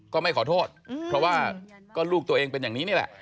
ก็ไม่ขอโทษเพราะว่าก็ลูกตัวเองเป็นอย่างนี้นี่แหละ